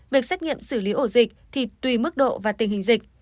việc xét nghiệm xử lý ổ dịch thì tùy mức độ và tình hình dịch